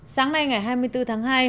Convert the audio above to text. sáng nay ngày hai mươi bốn tháng hai